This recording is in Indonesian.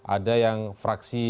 ada yang fraksi